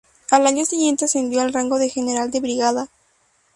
Al año siguiente ascendió al rango de general de brigada.